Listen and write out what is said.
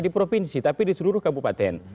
di provinsi tapi di seluruh kabupaten